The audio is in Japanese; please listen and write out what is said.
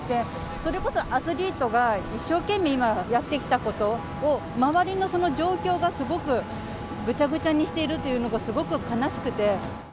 それこそアスリートが一生懸命今やって来たことを、周りのその状況がすごく、ぐちゃぐちゃにしているというのがすごく悲しくて。